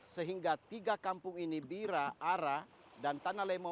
sehingga tiga kampung ini bira ara dan tanah lemo